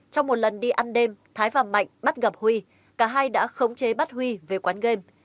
trong một lần đi ăn đêm thái và mạnh bắt gặp huy cả hai đã khống chế bắt huy về quán game